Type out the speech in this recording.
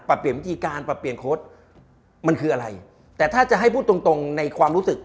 เปลี่ยนวิธีการปรับเปลี่ยนโค้ดมันคืออะไรแต่ถ้าจะให้พูดตรงตรงในความรู้สึก